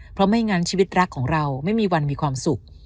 เพราะไม่งั้นชีวิตรักของเราไม่มีวันมีความสุข